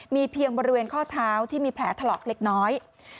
มีเพียงบริเวณข้อเท้าที่มีแผลถลอกเล็กน้อย